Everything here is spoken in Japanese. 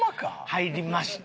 入りました。